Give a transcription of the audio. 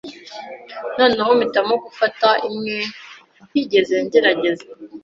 noneho mpitamo gufata imwe ntigeze ngerageza.